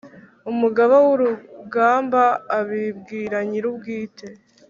umugaba wurugamba abibwira nyirubwite